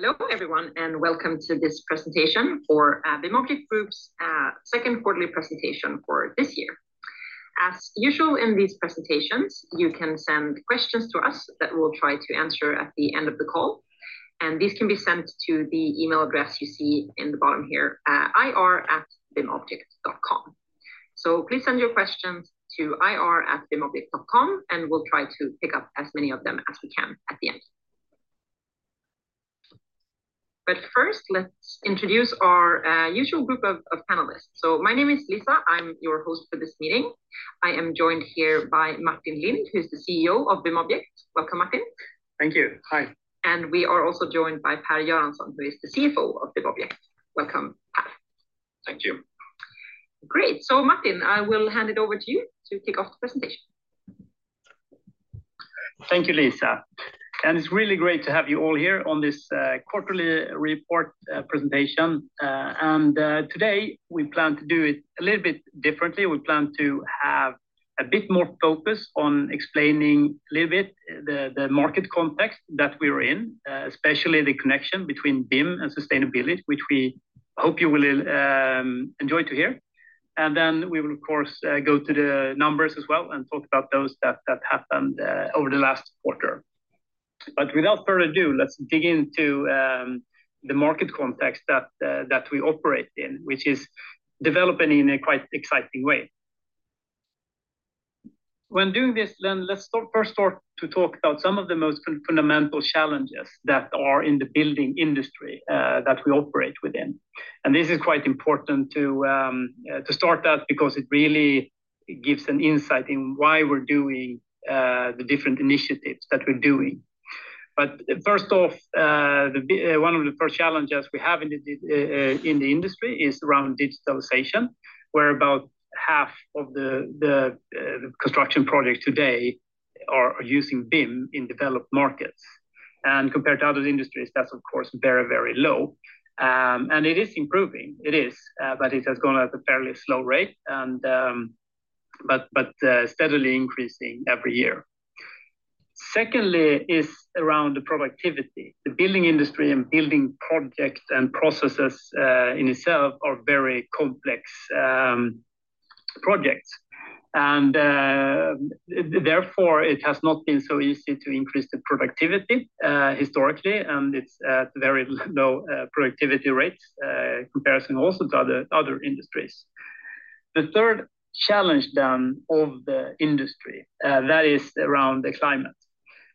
Hello everyone, and welcome to this presentation for BIMobject Group's second quarterly presentation for this year. As usual in these presentations, you can send questions to us that we'll try to answer at the end of the call, and these can be sent to the email address you see in the bottom here: ir@bimobject.com. So please send your questions to ir@bimobject.com, and we'll try to pick up as many of them as we can at the end. But first, let's introduce our usual group of panelists. So my name is Lisa, I'm your host for this meeting. I am joined here by Martin Lindh, who's the CEO of BIMobject. Welcome, Martin. Thank you, hi. We are also joined by Per Göransson, who is the CFO of BIMobject. Welcome, Per. Thank you. Great, so Martin, I will hand it over to you to kick off the presentation. Thank you, Lisa. It's really great to have you all here on this quarterly report presentation. Today we plan to do it a little bit differently. We plan to have a bit more focus on explaining a little bit the market context that we are in, especially the connection between BIM and sustainability, which we hope you will enjoy to hear. Then we will, of course, go to the numbers as well and talk about those that happened over the last quarter. Without further ado, let's dig into the market context that we operate in, which is developing in a quite exciting way. When doing this, then let's first start to talk about some of the most fundamental challenges that are in the building industry that we operate within. This is quite important to start out because it really gives an insight in why we're doing the different initiatives that we're doing. But first off, one of the first challenges we have in the industry is around digitalization, where about half of the construction projects today are using BIM in developed markets. And compared to other industries, that's of course very, very low. And it is improving, it is, but it has gone at a fairly slow rate, but steadily increasing every year. Secondly, it's around the productivity. The building industry and building projects and processes in itself are very complex projects. And therefore, it has not been so easy to increase the productivity historically, and it's at very low productivity rates in comparison also to other industries. The third challenge then of the industry, that is around the climate.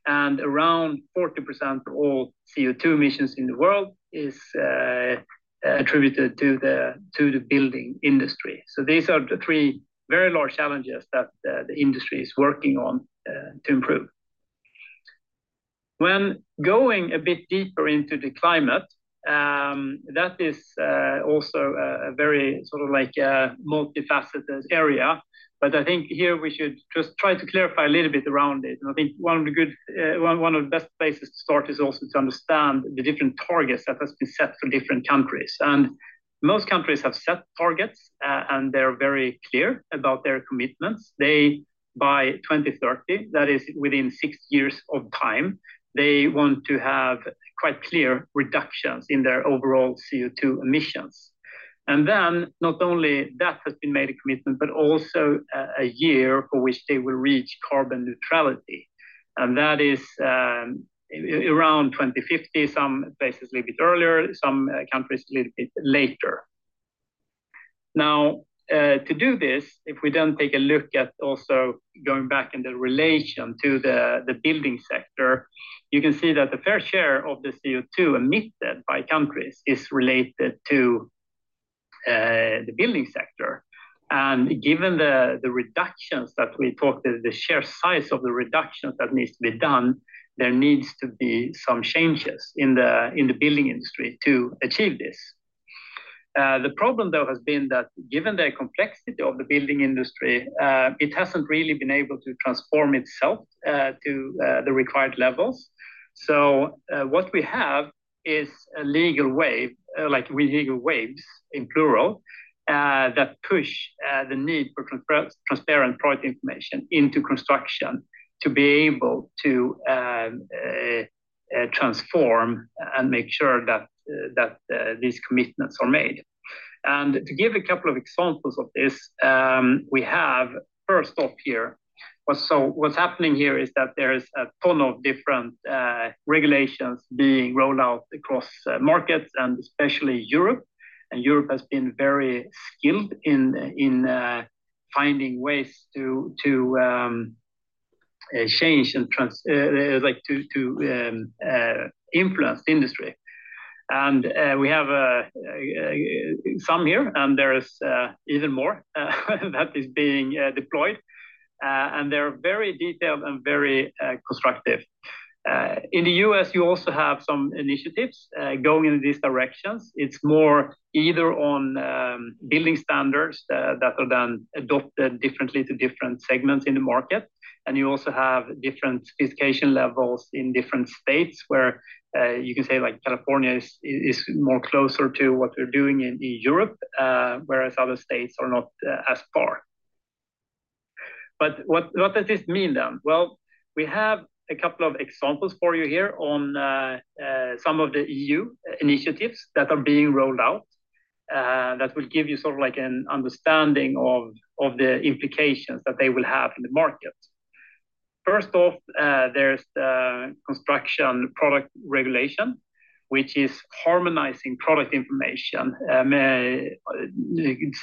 Around 40% of all CO2 emissions in the world is attributed to the building industry. These are the three very large challenges that the industry is working on to improve. When going a bit deeper into the climate, that is also a very sort of like a multifaceted area. I think here we should just try to clarify a little bit around it. I think one of the good, one of the best places to start is also to understand the different targets that have been set for different countries. Most countries have set targets, and they're very clear about their commitments. They by 2030, that is within six years of time, they want to have quite clear reductions in their overall CO2 emissions. Then not only that has been made a commitment, but also a year for which they will reach carbon neutrality. That is around 2050, some places a little bit earlier, some countries a little bit later. Now, to do this, if we then take a look at also going back in the relation to the building sector, you can see that the fair share of the CO2 emitted by countries is related to the building sector. Given the reductions that we talked to, the share size of the reductions that needs to be done, there needs to be some changes in the building industry to achieve this. The problem though has been that given the complexity of the building industry, it hasn't really been able to transform itself to the required levels. What we have is a legal wave, like legal waves in plural, that push the need for transparent product information into construction to be able to transform and make sure that these commitments are made. And to give a couple of examples of this, we have first off here, so what's happening here is that there is a ton of different regulations being rolled out across markets and especially Europe. And Europe has been very skilled in finding ways to change and like to influence the industry. And we have some here, and there is even more that is being deployed. And they're very detailed and very constructive. In the U.S., you also have some initiatives going in these directions. It's more either on building standards that are then adopted differently to different segments in the market. And you also have different specification levels in different states where you can say like California is more closer to what we're doing in Europe, whereas other states are not as far. But what does this mean then? Well, we have a couple of examples for you here on some of the EU initiatives that are being rolled out that will give you sort of like an understanding of the implications that they will have in the market. First off, there's Construction Products Regulation, which is harmonizing product information,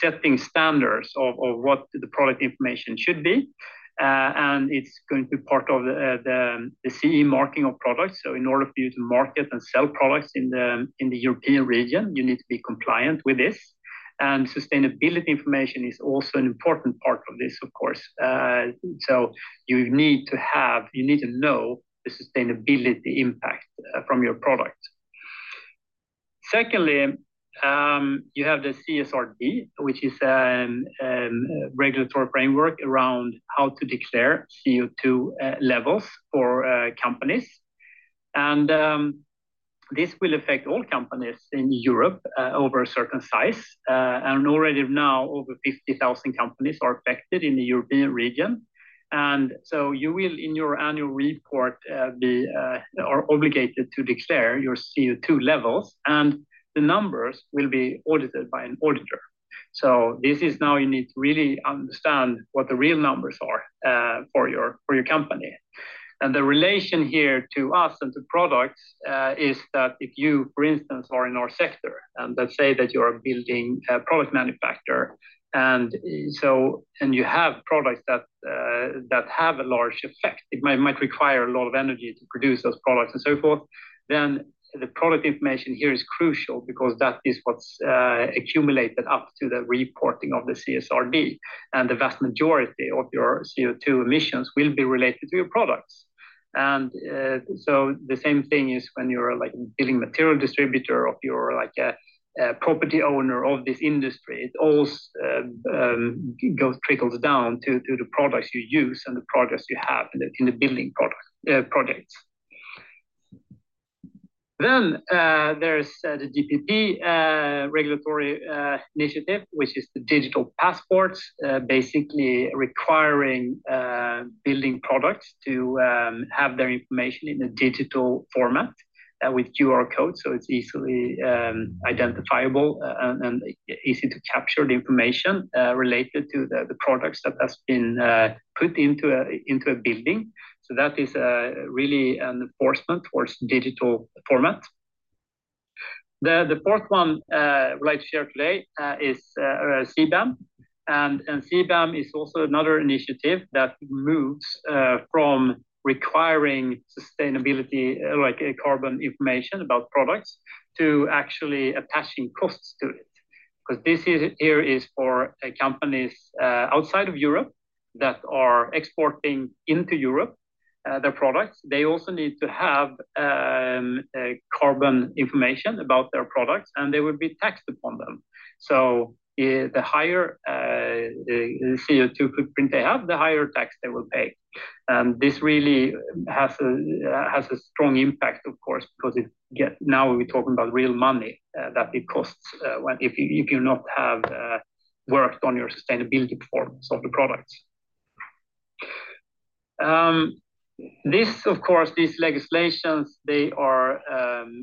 setting standards of what the product information should be. And it's going to be part of the CE marking of products. So in order for you to market and sell products in the European region, you need to be compliant with this. And sustainability information is also an important part of this, of course. So you need to have, you need to know the sustainability impact from your product. Secondly, you have the CSRD, which is a regulatory framework around how to declare CO2 levels for companies. And this will affect all companies in Europe over a certain size. Already now over 50,000 companies are affected in the European region. You will, in your annual report, be obligated to declare your CO2 levels, and the numbers will be audited by an auditor. This is now you need to really understand what the real numbers are for your company. The relation here to us and to products is that if you, for instance, are in our sector, and let's say that you're a building product manufacturer, and you have products that have a large effect, it might require a lot of energy to produce those products and so forth, then the product information here is crucial because that is what's accumulated up to the reporting of the CSRD. The vast majority of your CO2 emissions will be related to your products. And so the same thing is when you're like a building material distributor, or you're like a property owner in this industry; it all trickles down to the products you use and the products you have in the building projects. Then there's the DPP regulatory initiative, which is the digital passports, basically requiring building products to have their information in a digital format with QR codes. So it's easily identifiable and easy to capture the information related to the products that have been put into a building. So that is really an enforcement towards digital format. The fourth one I'd like to share today is CBAM. CBAM is also another initiative that moves from requiring sustainability, like carbon information about products, to actually attaching costs to it. Because this here is for companies outside of Europe that are exporting into Europe their products. They also need to have carbon information about their products, and they will be taxed upon them. So the higher CO2 footprint they have, the higher tax they will pay. And this really has a strong impact, of course, because now we're talking about real money that it costs if you not have worked on your sustainability performance of the products. This, of course, these legislations, they are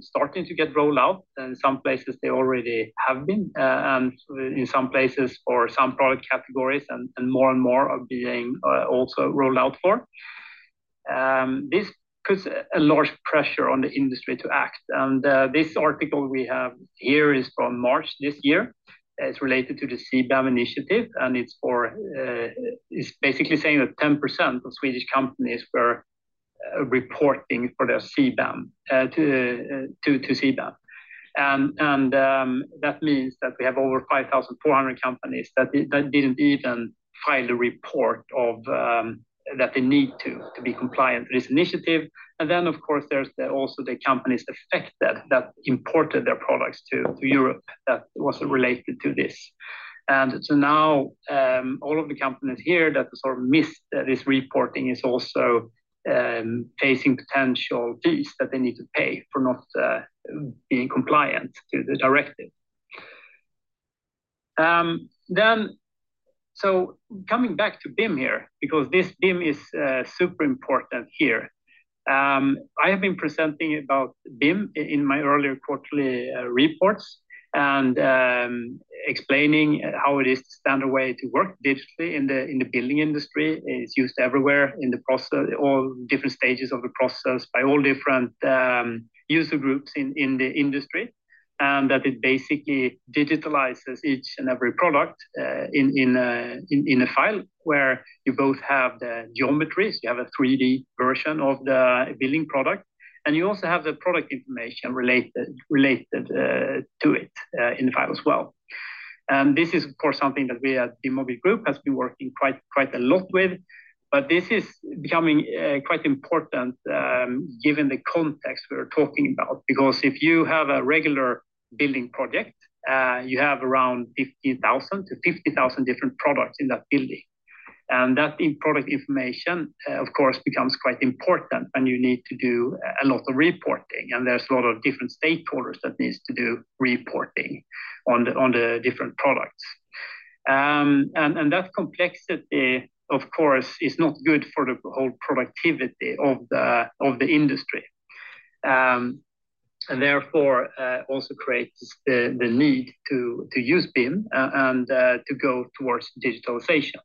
starting to get rolled out, and in some places they already have been, and in some places for some product categories and more and more are being also rolled out for. This puts a large pressure on the industry to act. And this article we have here is from March this year. It's related to the CBAM initiative, and it's basically saying that 10% of Swedish companies were reporting for their CBAM. That means that we have over 5,400 companies that didn't even file the report that they need to be compliant with this initiative. Then, of course, there's also the companies affected that imported their products to Europe that wasn't related to this. So now all of the companies here that sort of missed this reporting are also facing potential fees that they need to pay for not being compliant to the directive. Coming back to BIM here, because this BIM is super important here. I have been presenting about BIM in my earlier quarterly reports and explaining how it is the standard way to work digitally in the building industry. It's used everywhere in the process, all different stages of the process by all different user groups in the industry, and that it basically digitalizes each and every product in a file where you both have the geometries, you have a 3D version of the building product, and you also have the product information related to it in the file as well. And this is, of course, something that we at BIMobject Group have been working quite a lot with, but this is becoming quite important given the context we're talking about, because if you have a regular building project, you have around 15,000-50,000 different products in that building. And that product information, of course, becomes quite important, and you need to do a lot of reporting, and there's a lot of different stakeholders that need to do reporting on the different products. That complexity, of course, is not good for the whole productivity of the industry. Therefore, also creates the need to use BIM and to go towards digitalization.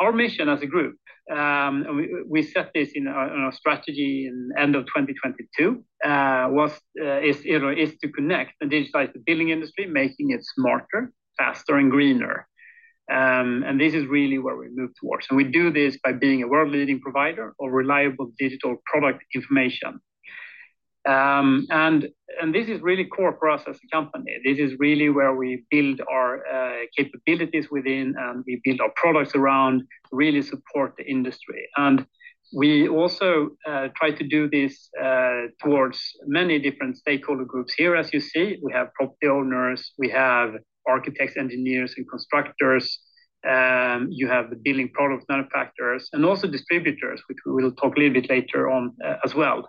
Our mission as a group, we set this in our strategy in the end of 2022, is to connect and digitize the building industry, making it smarter, faster, and greener. This is really where we move towards. We do this by being a world-leading provider of reliable digital product information. This is really core for us as a company. This is really where we build our capabilities within, and we build our products around to really support the industry. We also try to do this towards many different stakeholder groups here. As you see, we have property owners, we have architects, engineers, and constructors. You have the building product manufacturers and also distributors, which we will talk a little bit later on as well,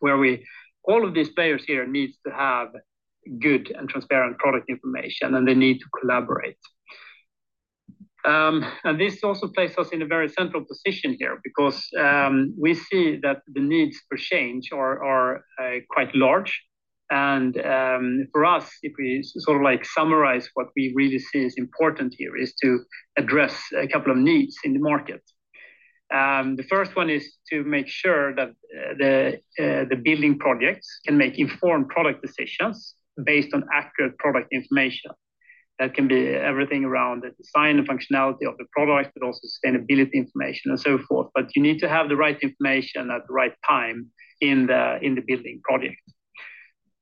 where all of these players here need to have good and transparent product information, and they need to collaborate. This also places us in a very central position here because we see that the needs for change are quite large. For us, if we sort of like summarize what we really see as important here, is to address a couple of needs in the market. The first one is to make sure that the building projects can make informed product decisions based on accurate product information. That can be everything around the design and functionality of the product, but also sustainability information and so forth. But you need to have the right information at the right time in the building project.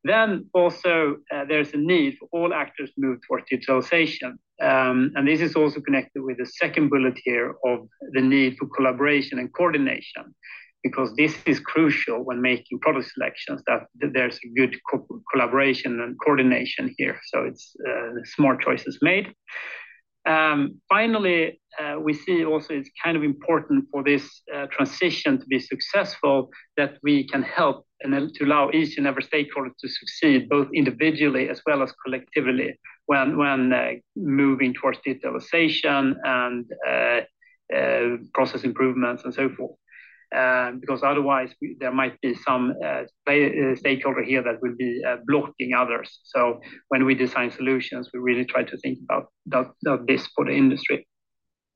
Then also, there's a need for all actors to move towards digitalization. And this is also connected with the second bullet here of the need for collaboration and coordination, because this is crucial when making product selections that there's a good collaboration and coordination here. So it's smart choices made. Finally, we see also it's kind of important for this transition to be successful that we can help to allow each and every stakeholder to succeed both individually as well as collectively when moving towards digitalization and process improvements and so forth. Because otherwise, there might be some stakeholder here that will be blocking others. So when we design solutions, we really try to think about this for the industry.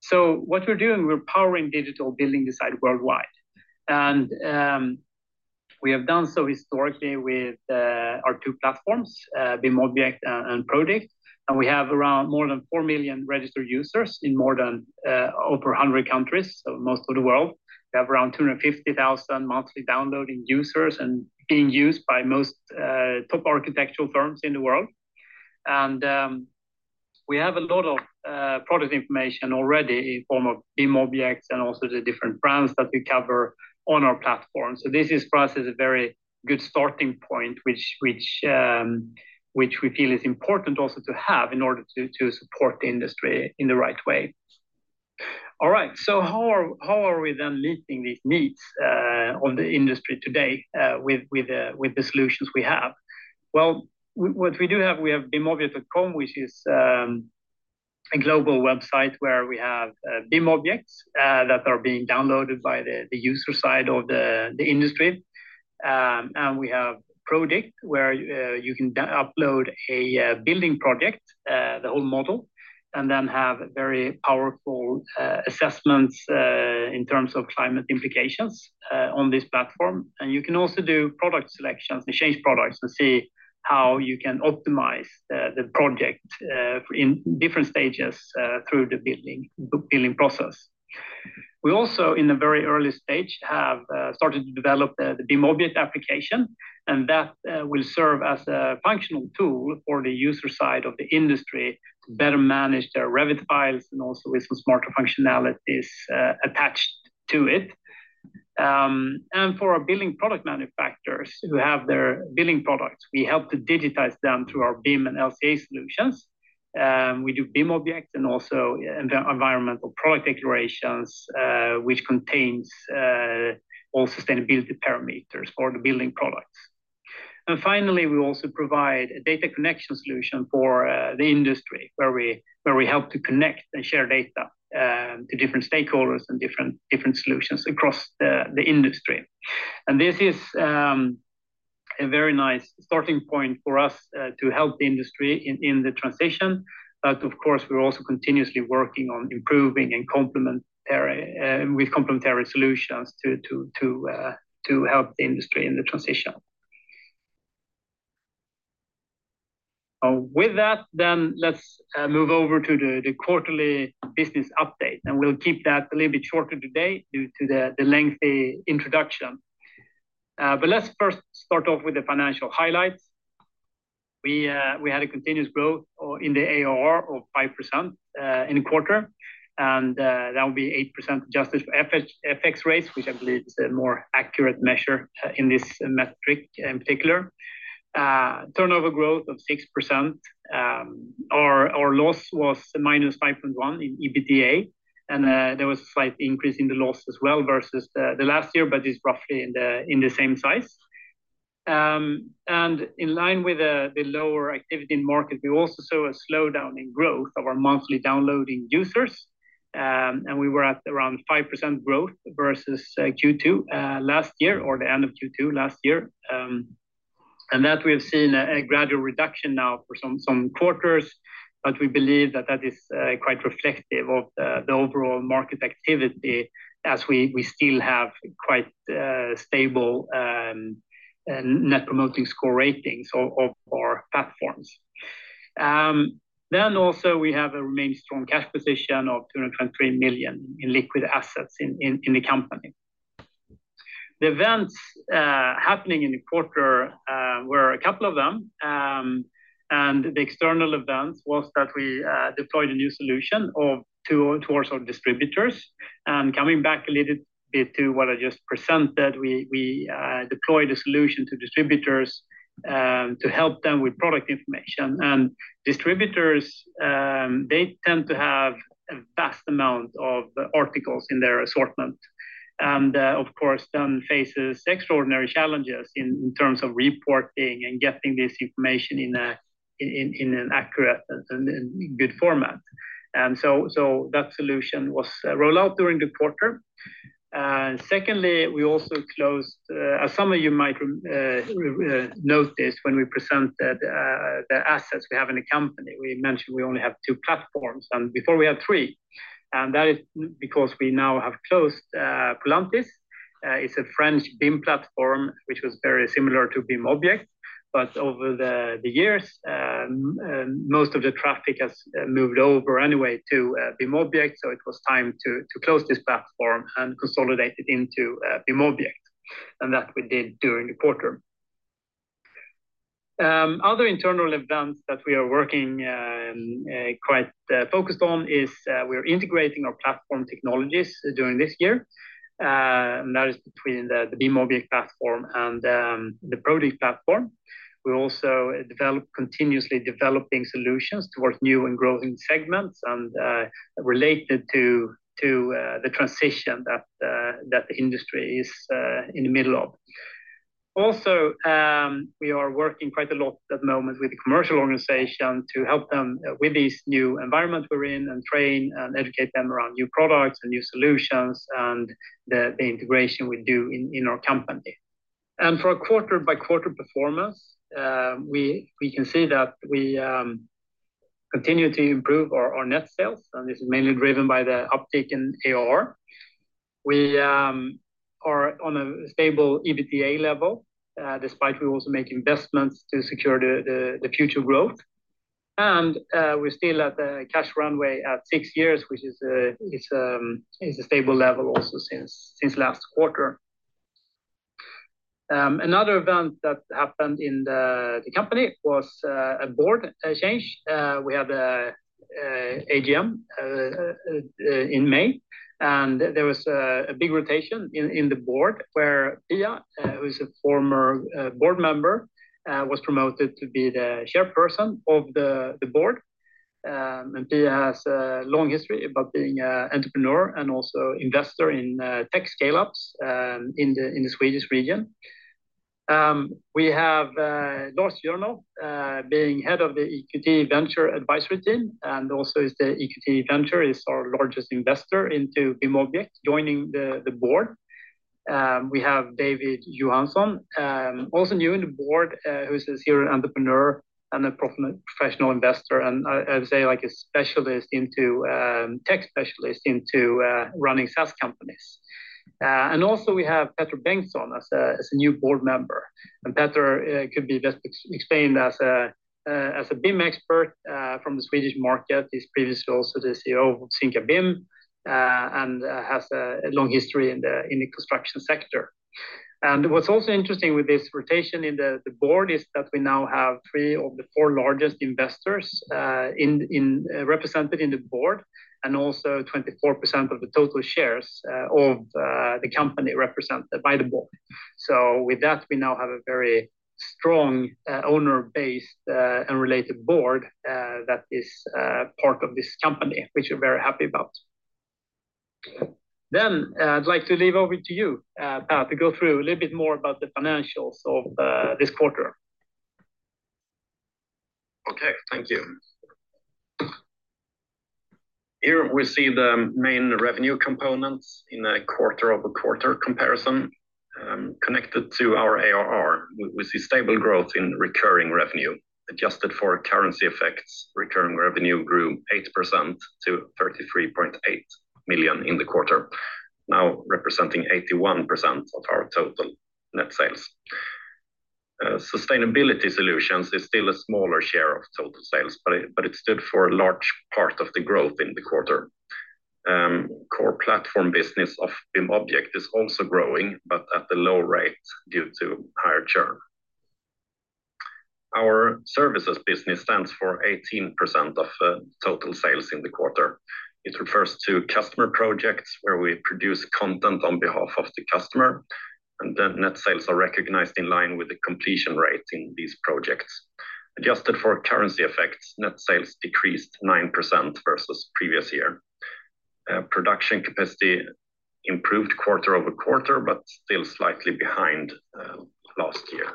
So what we're doing, we're powering digital building design worldwide. And we have done so historically with our two platforms, BIMobject and Prodikt. We have around more than 4 million registered users in more than over 100 countries, so most of the world. We have around 250,000 monthly downloading users and being used by most top architectural firms in the world. We have a lot of product information already in the form of BIMobject and also the different brands that we cover on our platform. This is for us a very good starting point, which we feel is important also to have in order to support the industry in the right way. All right, so how are we then meeting these needs of the industry today with the solutions we have? Well, what we do have, we have BIMobject.com, which is a global website where we have BIM objects that are being downloaded by the user side of the industry. We have Prodikt where you can upload a building project, the whole model, and then have very powerful assessments in terms of climate implications on this platform. You can also do product selections and change products and see how you can optimize the project in different stages through the building process. We also, in a very early stage, have started to develop the BIMobject application, and that will serve as a functional tool for the user side of the industry to better manage their Revit files and also with some smarter functionalities attached to it. For our building product manufacturers who have their building products, we help to digitize them through our BIM and LCA solutions. We do BIM objects and also environmental product declarations, which contains all sustainability parameters for the building products. And finally, we also provide a data connection solution for the industry where we help to connect and share data to different stakeholders and different solutions across the industry. This is a very nice starting point for us to help the industry in the transition. But of course, we're also continuously working on improving with complementary solutions to help the industry in the transition. With that, let's move over to the quarterly business update. We'll keep that a little bit shorter today due to the lengthy introduction. Let's first start off with the financial highlights. We had a continuous growth in the ARR of 5% in the quarter, and that will be 8% adjusted for FX rates, which I believe is a more accurate measure in this metric in particular. Turnover growth of 6%. Our loss was -5.1 in EBITDA, and there was a slight increase in the loss as well versus last year, but it's roughly in the same size. In line with the lower activity in market, we also saw a slowdown in growth of our monthly downloading users. We were at around 5% growth versus Q2 last year or the end of Q2 last year. That we have seen a gradual reduction now for some quarters, but we believe that that is quite reflective of the overall market activity as we still have quite stable Net Promoter Score ratings of our platforms. Also, we have a remaining strong cash position of 223 million in liquid assets in the company. The events happening in the quarter were a couple of them. The external event was that we deployed a new solution towards our distributors. Coming back a little bit to what I just presented, we deployed a solution to distributors to help them with product information. Distributors, they tend to have a vast amount of articles in their assortment. And of course, they face extraordinary challenges in terms of reporting and getting this information in an accurate and good format. So that solution was rolled out during the quarter. Secondly, we also closed, as some of you might note this when we presented the assets we have in the company. We mentioned we only have two platforms, and before we had three. That is because we now have closed Polantis. It's a French BIM platform, which was very similar to BIMobject. But over the years, most of the traffic has moved over anyway to BIMobject. So it was time to close this platform and consolidate it into BIMobject. And that we did during the quarter. Other internal events that we are working quite focused on is we are integrating our platform technologies during this year. And that is between the BIMobject platform and the Prodikt platform. We also develop continuously developing solutions towards new and growing segments and related to the transition that the industry is in the middle of. Also, we are working quite a lot at the moment with the commercial organization to help them with these new environments we're in and train and educate them around new products and new solutions and the integration we do in our company. And for our quarter-by-quarter performance, we can see that we continue to improve our net sales. And this is mainly driven by the uptake in ARR. We are on a stable EBITDA level despite we also make investments to secure the future growth. We're still at the cash runway at six years, which is a stable level also since last quarter. Another event that happened in the company was a board change. We had AGM in May, and there was a big rotation in the board where Pia, who is a former board member, was promoted to be the chairperson of the board. And Pia has a long history about being an entrepreneur and also investor in tech scale-ups in the Swedish region. We have Lars Jörnow being Head of the EQT Ventures Advisory Team, and also is the EQT Ventures is our largest investor into BIMobject joining the board. We have David Johansson, also new in the board, who is a serial entrepreneur and a professional investor, and I would say like a specialist into tech specialist into running SaaS companies. Also we have Petter Bengtsson as a new board member. Petter could be best explained as a BIM expert from the Swedish market. He's previously also the CEO of Zynka BIM and has a long history in the construction sector. What's also interesting with this rotation in the board is that we now have three of the four largest investors represented in the board and also 24% of the total shares of the company represented by the board. So with that, we now have a very strong owner-based and related board that is part of this company, which we're very happy about. Then I'd like to leave over to you, Per, to go through a little bit more about the financials of this quarter. Okay, thank you. Here we see the main revenue components in a quarter-over-quarter comparison connected to our ARR. We see stable growth in recurring revenue. Adjusted for currency effects, recurring revenue grew 8% to 33.8 million in the quarter, now representing 81% of our total net sales. Sustainability solutions is still a smaller share of total sales, but it stood for a large part of the growth in the quarter. Core platform business of BIMobject is also growing, but at a low rate due to higher churn. Our services business stands for 18% of total sales in the quarter. It refers to customer projects where we produce content on behalf of the customer, and then net sales are recognized in line with the completion rate in these projects. Adjusted for currency effects, net sales decreased 9% versus previous year. Production capacity improved quarter-over-quarter, but still slightly behind last year.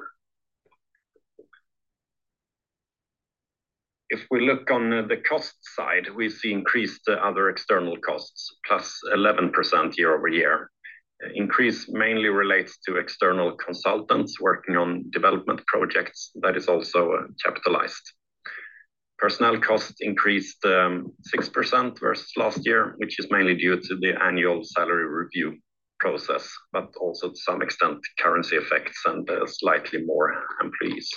If we look on the cost side, we see increased other external costs, +11% year-over-year. Increase mainly relates to external consultants working on development projects that is also capitalized. Personnel cost increased 6% versus last year, which is mainly due to the annual salary review process, but also to some extent currency effects and slightly more employees.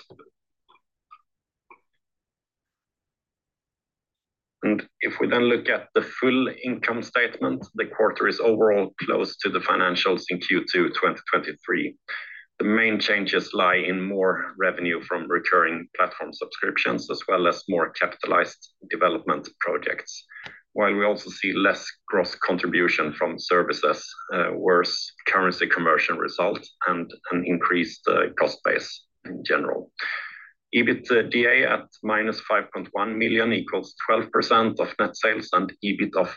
And if we then look at the full income statement, the quarter is overall close to the financials in Q2 2023. The main changes lie in more revenue from recurring platform subscriptions as well as more capitalized development projects. While we also see less gross contribution from services, worse currency conversion results, and an increased cost base in general. EBITDA at -5.1 million equals 12% of net sales and EBIT of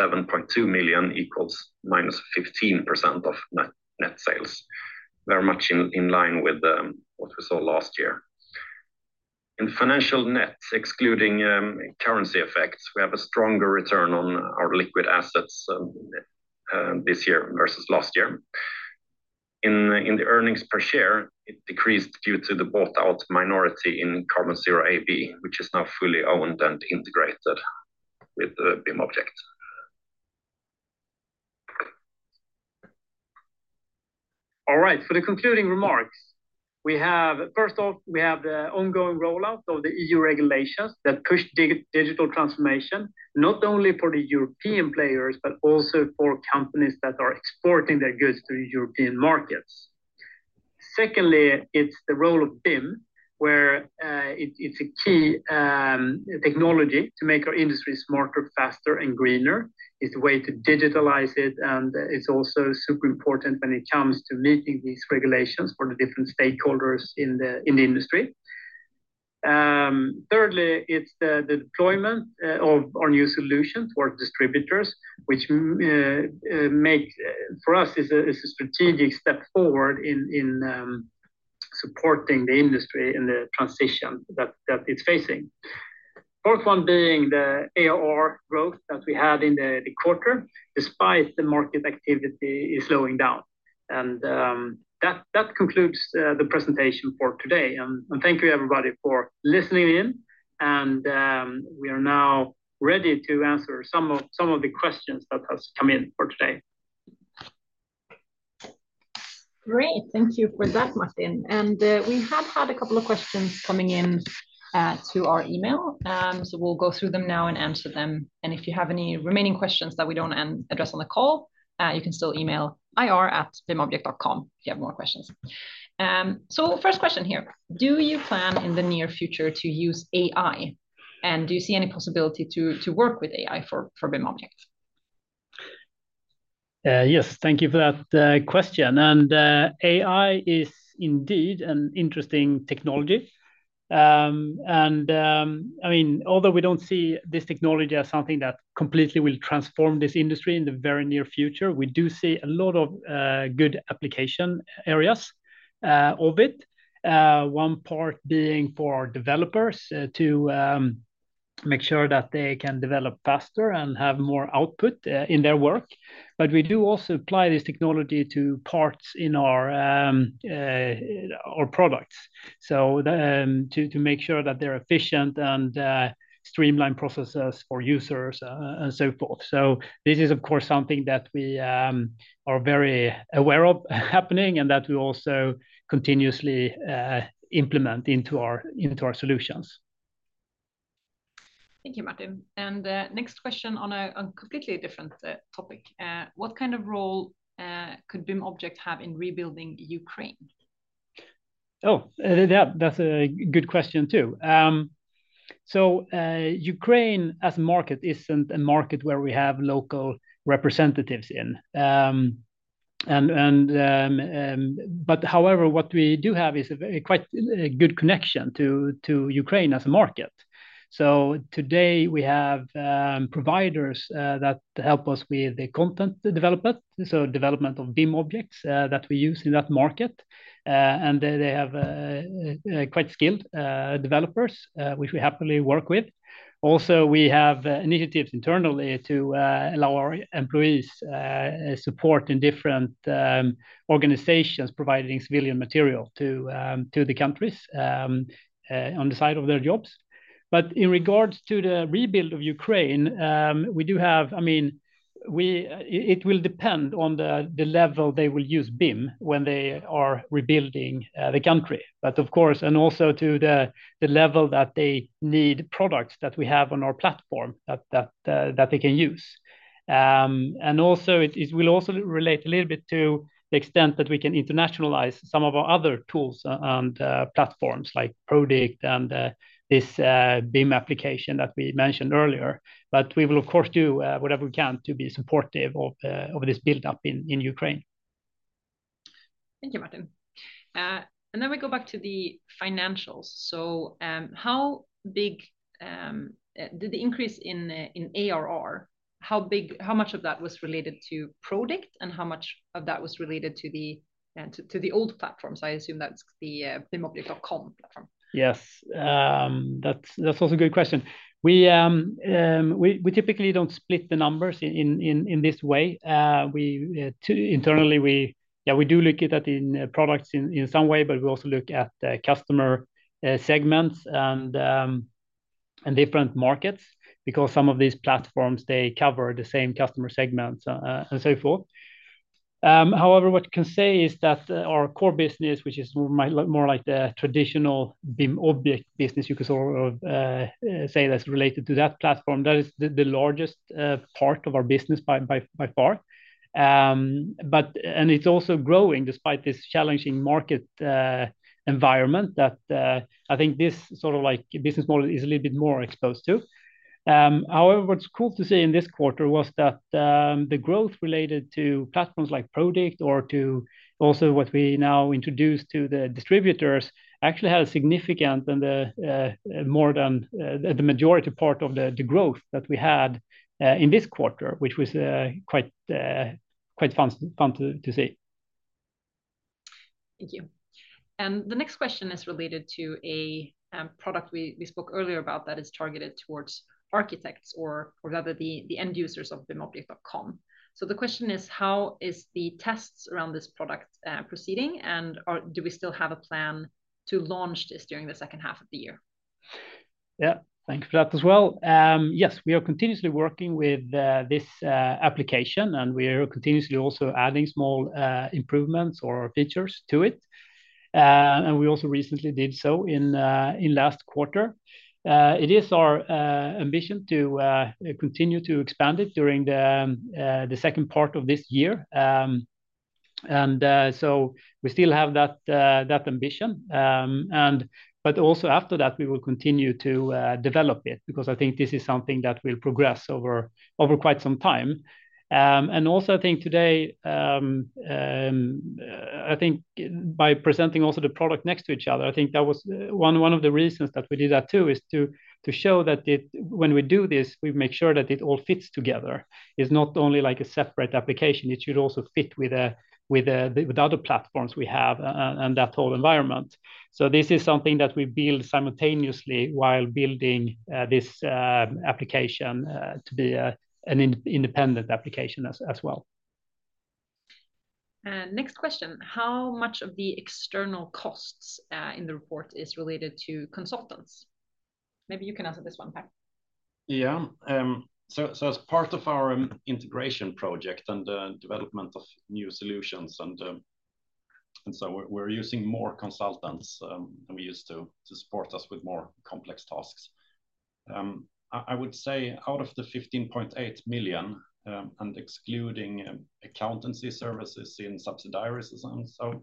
-7.2 million equals -15% of net sales. Very much in line with what we saw last year. In financial nets, excluding currency effects, we have a stronger return on our liquid assets this year versus last year. In the earnings per share, it decreased due to the bought-out minority in CarbonZero AB, which is now fully owned and integrated with BIMobject. All right, for the concluding remarks, we have, first off, we have the ongoing rollout of the EU regulations that push digital transformation not only for the European players, but also for companies that are exporting their goods to the European markets. Secondly, it's the role of BIM, where it's a key technology to make our industry smarter, faster, and greener. It's a way to digitalize it, and it's also super important when it comes to meeting these regulations for the different stakeholders in the industry. Thirdly, it's the deployment of our new solutions for distributors, which for us is a strategic step forward in supporting the industry in the transition that it's facing. Fourth one being the ARR growth that we had in the quarter, despite the market activity slowing down. That concludes the presentation for today. Thank you, everybody, for listening in. We are now ready to answer some of the questions that have come in for today. Great. Thank you for that, Martin. We have had a couple of questions coming in to our email. We'll go through them now and answer them. If you have any remaining questions that we don't address on the call, you can still email ir@bimobject.com if you have more questions. First question here. Do you plan in the near future to use AI? And do you see any possibility to work with AI for BIMobject? Yes, thank you for that question. And AI is indeed an interesting technology. And I mean, although we don't see this technology as something that completely will transform this industry in the very near future, we do see a lot of good application areas of it. One part being for our developers to make sure that they can develop faster and have more output in their work. But we do also apply this technology to parts in our products to make sure that they're efficient and streamline processes for users and so forth. So this is, of course, something that we are very aware of happening and that we also continuously implement into our solutions. Thank you, Martin. And next question on a completely different topic. What kind of role could BIMobject have in rebuilding Ukraine? Oh, that's a good question too. So Ukraine as a market isn't a market where we have local representatives in. But however, what we do have is a quite good connection to Ukraine as a market. So today we have providers that help us with the content development, so development of BIM objects that we use in that market. And they have quite skilled developers, which we happily work with. Also, we have initiatives internally to allow our employees support in different organizations providing civilian material to the countries on the side of their jobs. But in regards to the rebuild of Ukraine, we do have, I mean, it will depend on the level they will use BIM when they are rebuilding the country. But of course, and also to the level that they need products that we have on our platform that they can use. It will also relate a little bit to the extent that we can internationalize some of our other tools and platforms like Prodikt and this BIM application that we mentioned earlier. But we will, of course, do whatever we can to be supportive of this buildup in Ukraine. Thank you, Martin. Then we go back to the financials. How big did the increase in ARR, how much of that was related to Prodikt and how much of that was related to the old platforms? I assume that's the BIMobject.com platform. Yes, that's also a good question. We typically don't split the numbers in this way. Internally, yeah, we do look at that in products in some way, but we also look at customer segments and different markets because some of these platforms, they cover the same customer segments and so forth. However, what you can say is that our core business, which is more like the traditional BIMobject business, you could sort of say that's related to that platform. That is the largest part of our business by far. And it's also growing despite this challenging market environment that I think this sort of business model is a little bit more exposed to. However, what's cool to see in this quarter was that the growth related to platforms like Prodikt or to also what we now introduced to the distributors actually had a significant and more than the majority part of the growth that we had in this quarter, which was quite fun to see. Thank you. The next question is related to a product we spoke earlier about that is targeted towards architects or rather the end users of BIMobject.com. So the question is, how is the tests around this product proceeding? And do we still have a plan to launch this during the second half of the year? Yeah, thanks for that as well. Yes, we are continuously working with this application, and we are continuously also adding small improvements or features to it. And we also recently did so in last quarter. It is our ambition to continue to expand it during the second part of this year. And so we still have that ambition. But also after that, we will continue to develop it because I think this is something that will progress over quite some time. And also, I think today, I think by presenting also the product next to each other, I think that was one of the reasons that we did that too is to show that when we do this, we make sure that it all fits together. It's not only like a separate application. It should also fit with other platforms we have and that whole environment. So this is something that we build simultaneously while building this application to be an independent application as well. And next question, how much of the external costs in the report is related to consultants? Maybe you can answer this one, Per. Yeah. So as part of our integration project and development of new solutions, and so we're using more consultants than we used to to support us with more complex tasks. I would say out of the 15.8 million and excluding accountancy services in subsidiaries and so on,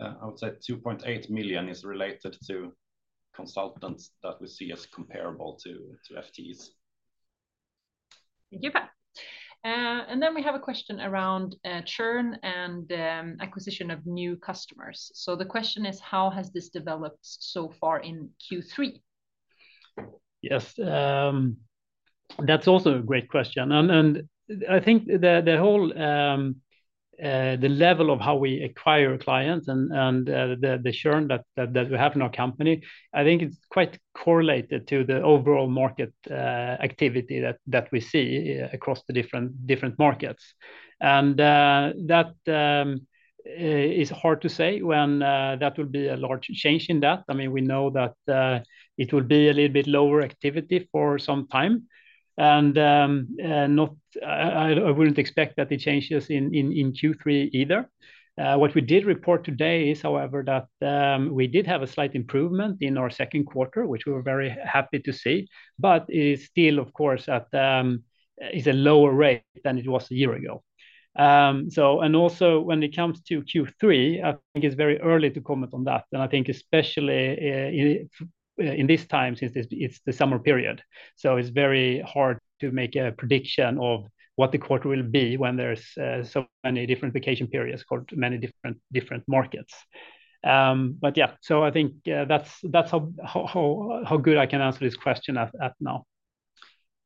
I would say 2.8 million is related to consultants that we see as comparable to FTEs. Thank you, Pat. Then we have a question around churn and acquisition of new customers. So the question is, how has this developed so far in Q3? Yes. That's also a great question. I think the level of how we acquire clients and the churn that we have in our company, I think it's quite correlated to the overall market activity that we see across the different markets. That is hard to say when that will be a large change in that. I mean, we know that it will be a little bit lower activity for some time. I wouldn't expect that it changes in Q3 either. What we did report today is, however, that we did have a slight improvement in our second quarter, which we were very happy to see. But it is still, of course, at a lower rate than it was a year ago. And also when it comes to Q3, I think it's very early to comment on that. And I think especially in this time since it's the summer period. So it's very hard to make a prediction of what the quarter will be when there's so many different vacation periods across many different markets. But yeah, so I think that's how good I can answer this question at now.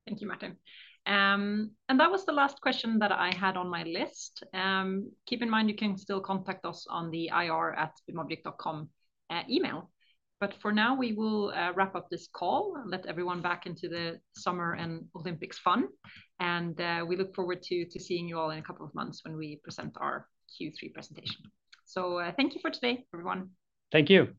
Thank you, Martin. And that was the last question that I had on my list. Keep in mind, you can still contact us on the ir@bimobject.com email. For now, we will wrap up this call and let everyone back into the summer and Olympics fun. We look forward to seeing you all in a couple of months when we present our Q3 presentation. Thank you for today, everyone. Thank you.